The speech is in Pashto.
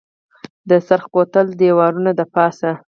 د سرخ کوتل دویرانو دپاسه